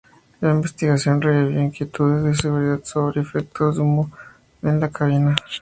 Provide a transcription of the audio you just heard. La investigación revivió inquietudes de seguridad sobre los efectos del humo en la cabina.